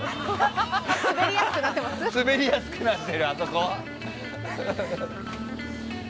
滑りやすくなってる、あそこ。